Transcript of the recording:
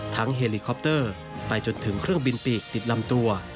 เฮลิคอปเตอร์ไปจนถึงเครื่องบินปีกติดลำตัว